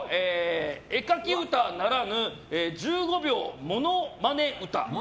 絵描き歌ならぬ１５秒、モノマネ歌。